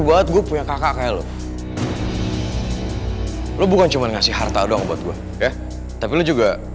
buat gue punya kakak kayak lo lo bukan cuma ngasih harta doang buat gue ya tapi lu juga